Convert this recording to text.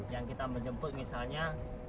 yang kita menjemput misalnya